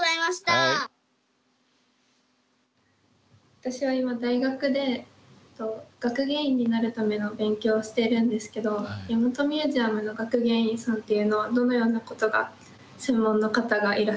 私は今大学で学芸員になるための勉強をしてるんですけど大和ミュージアムの学芸員さんっていうのはどのようなことが専門の方がいらっしゃるんでしょうか？